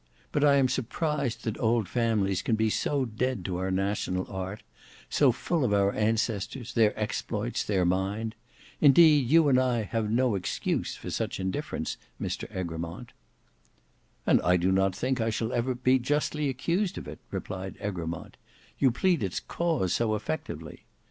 But I am surprised that old families can be so dead to our national art; so full of our ancestors, their exploits, their mind. Indeed you and I have no excuse for such indifference Mr Egremont." "And I do not think I shall ever again be justly accused of it," replied Egremont, "you plead its cause so effectively.